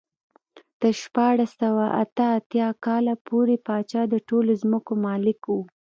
تر شپاړس سوه اته اتیا کال پورې پاچا د ټولو ځمکو مالک و.